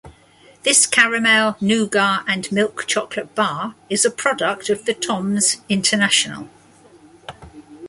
This caramel, nougat, and milk chocolate bar is a product of the Toms International.